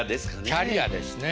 キャリアですね。